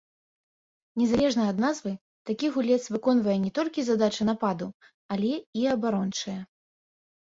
Незалежна ад назвы такі гулец выконвае не толькі задачы нападу, але і абарончыя.